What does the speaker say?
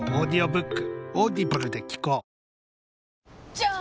じゃーん！